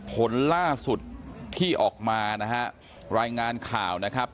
ผลล่าสุดที่ออกมานะฮะรายงานข่าวนะครับ